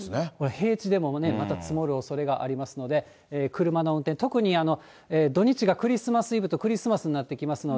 平地でもまた積もるおそれがありますので、車の運転、特に土日がクリスマスイヴとクリスマスになってきますので。